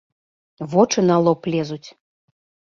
Вочы на лоб лезуць.